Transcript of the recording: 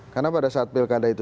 karena pada saat pilkada itu